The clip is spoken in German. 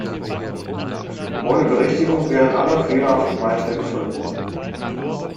Ohne Berichtigung wären alle fehlerhaften Beiträge verloren.